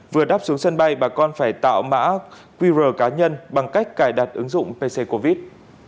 vừa đáp xuống sân bay bà con phải tạo mã qr cá nhân bằng cách cài đặt ứng dụng pc covid